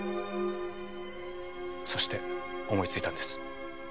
そして思いついたんです。